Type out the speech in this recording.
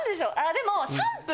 でも。